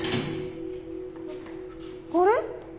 あれ？